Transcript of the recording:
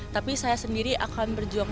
tapi saya sendiri akan berjuang